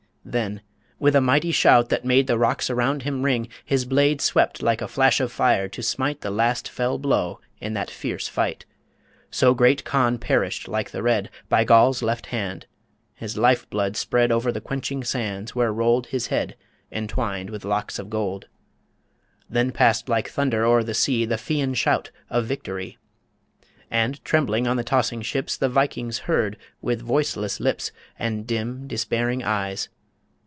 Then with a mighty shout that made The rocks around him ring, his blade Swept like a flash of fire to smite The last fell blow in that fierce fight So great Conn perished like The Red By Goll's left hand ... his life blood spread Over the quenching sands where rolled His head entwined with locks of gold. Then passed like thunder o'er the sea The Fian shout of victory. And, trembling on the tossing ships, The Vikings heard, with voiceless lips And dim, despairing eyes